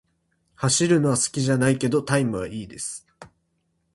走るのは好きじゃないけど、タイムは良いです。